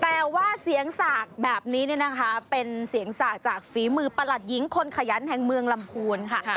แต่ว่าเสียงสากแบบนี้เนี่ยนะคะเป็นเสียงสากจากฝีมือประหลัดหญิงคนขยันแห่งเมืองลำพูนค่ะ